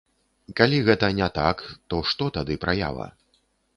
Калі гэта не так, то што тады праява?